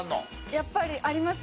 やっぱりありますね。